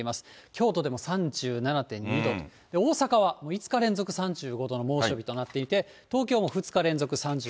京都でも３７．２度、大阪は５日連続３５度の猛暑日となっていて、東京も２日連続３５度。